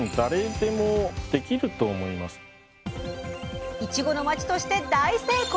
いちごの町として大成功！